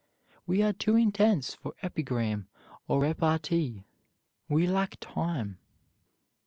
"We are too intense for epigram or repartee. We lack time."